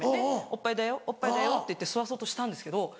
おっぱいだよおっぱいだよって言って吸わそうとしたんですけど。